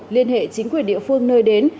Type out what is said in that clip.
liên hệ chính quyền địa phương nơi đến